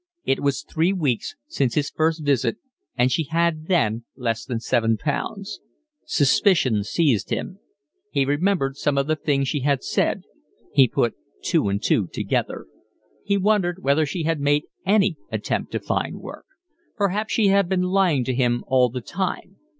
It was three weeks since his first visit, and she had then less than seven pounds. Suspicion seized him. He remembered some of the things she had said. He put two and two together. He wondered whether she had made any attempt to find work. Perhaps she had been lying to him all the time.